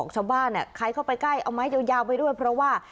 ชาวบ้านใครเข้าไปใกล้เอาไม้ยาวไปด้วยเพราะว่า